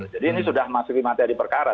jadi ini sudah masukin materi perkara